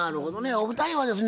お二人はですね